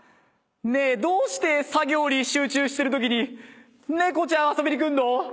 ねぇ，どうして作業に集中してるときに猫ちゃん遊びに来んの？